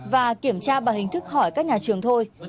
và kiểm tra bằng hình thức hỏi các nhà trường thôi